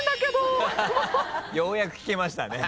ようやく聞けましたね。